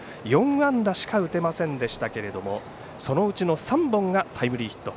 ４安打しか打てませんでしたけれどもそのうちの３本がタイムリーヒット。